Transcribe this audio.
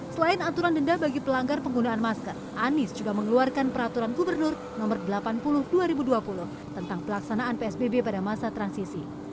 selain aturan denda bagi pelanggar penggunaan masker anies juga mengeluarkan peraturan gubernur no delapan puluh dua ribu dua puluh tentang pelaksanaan psbb pada masa transisi